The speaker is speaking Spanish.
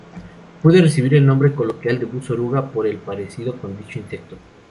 Puede recibir el nombre coloquial de "bus oruga" por el parecido con dicho insecto.